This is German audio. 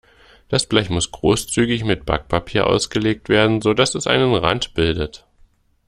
Das Blech muss großzügig mit Backpapier ausgelegt werden, sodass es einen Rand bildet.